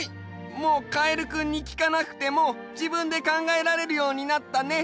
もうカエルくんにきかなくてもじぶんで考えられるようになったね。